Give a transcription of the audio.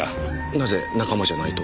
なぜ仲間じゃないと？